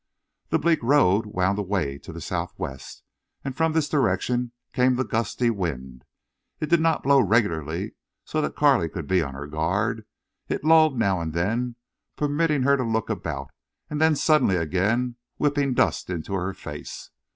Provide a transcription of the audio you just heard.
The bleak road wound away to the southwest, and from this direction came the gusty wind. It did not blow regularly so that Carley could be on her guard. It lulled now and then, permitting her to look about, and then suddenly again whipping dust into her face.